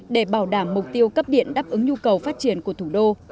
để bảo đảm mục tiêu cấp điện đáp ứng nhu cầu phát triển của thủ đô